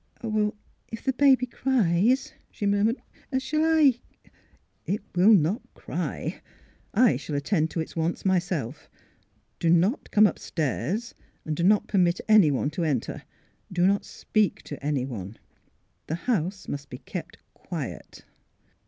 " If — the baby cries," she murmured, " shall I ?"'' It will not cry. I shall attend to its wants myself. Do not come upstairs. Do not permit anyone to enter. Do not speak to anyone. The house must be kept quiet."